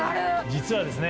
実はですね